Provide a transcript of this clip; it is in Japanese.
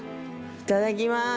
いただきます。